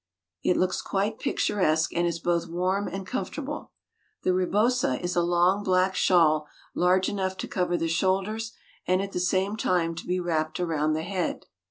It looks quite picturesque, and it is both warm and comfortable. The rebosa is a long black shawl large enough to cover the shoulders and at the same time to be wrapped around the head.